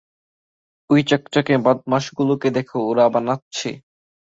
ওই চকচকে বদমাশগুলোকে দেখো, ওরা আবার নাচছে।